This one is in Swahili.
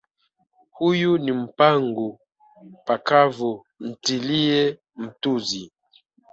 Huyu ni mpangu pakavu ntilie mtuzi